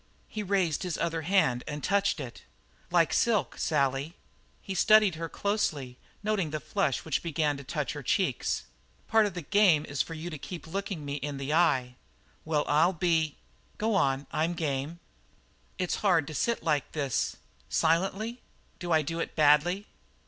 He raised his other hand and touched it. "Like silk, Sally." He studied her closely, noting the flush which began to touch her cheeks. "Part of the game is for you to keep looking me in the eye." "Well, I'll be Go on, I'm game." "Is it hard to sit like this silently? Do I do it badly?"